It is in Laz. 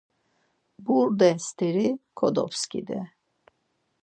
Burde steri kodobskidi.